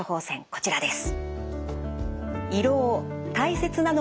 こちらです。